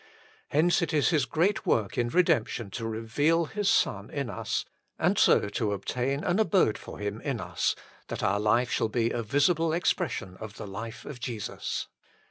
Hence it is His great work in redemption to reveal His Son in us, and so to obtain an abode for Him in us, that our life shall be a visible expression of the life of Jesus.